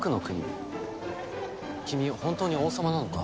君本当に王様なのか？